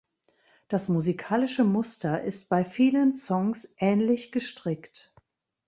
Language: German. Das musikalische Muster ist bei vielen Songs ähnlich gestrickt.